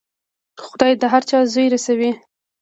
خدای د هر چا روزي رسوي.